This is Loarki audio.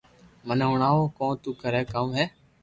مني ھڻاو ڪو تو ڪري ڪاو ھي